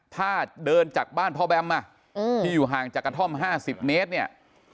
ถ้าเดินจากบ้านพ่อแบมที่อยู่ห่างจากกระท่อม๕๐เมตรเนี่ย